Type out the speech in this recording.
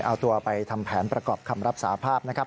เอาตัวไปทำแผนประกอบคำรับสาภาพนะครับ